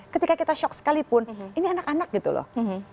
ketika kita shock sekalipun ini anak anak gitu loh